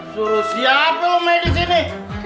suruh siapin lo main disini